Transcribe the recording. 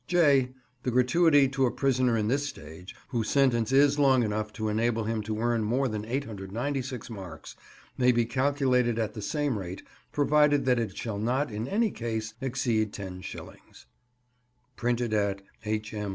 (j) The gratuity to a prisoner in this stage, whose sentence is long enough to enable him to earn more than 896 marks, may be calculated at the same rate, provided that it shall not in any case exceed 10s. _Printed at H.M.